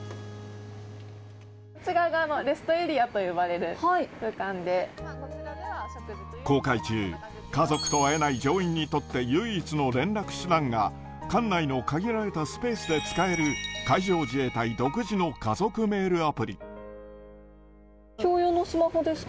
こちらがレストエリアと呼ば航海中、家族と会えない乗員にとって唯一の連絡手段が、艦内の限られたスペースで使える海上自衛隊独自の家族メールアプ共用のスマホですか？